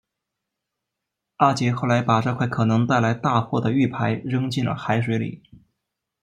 阿杰后来把这块可能带来大祸的玉牌扔进了海水里。